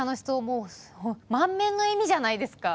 もう満面の笑みじゃないですか。